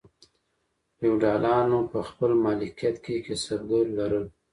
فیوډالانو په خپل مالکیت کې کسبګر لرل.